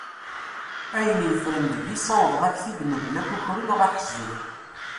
Ayen yeffren deg-i ssawḍeɣ-ak-t-id mebla akukru neɣ ahezzeb.